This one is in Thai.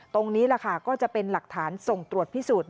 ตรงนี้แหละค่ะก็จะเป็นหลักฐานส่งตรวจพิสูจน์